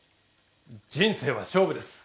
人生は勝負です。